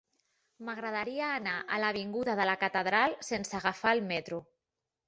M'agradaria anar a l'avinguda de la Catedral sense agafar el metro.